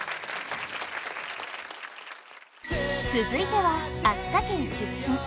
続いては秋田県出身